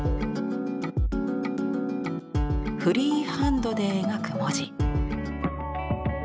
フリーハンドで描く文字。